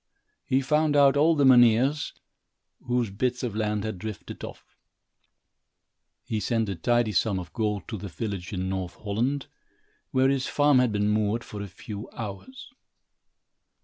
He found out all the mynheers, whose bits of land had drifted off. He sent a tidy sum of gold to the village in North Holland, where his farm had been moored, for a few hours.